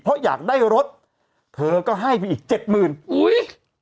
เพราะอยากได้รถเธอก็ให้ไปอีกเจ็ดหมื่นอุ้ย